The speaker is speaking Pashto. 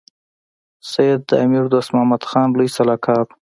سید د امیر دوست محمد خان لوی سلاکار وو.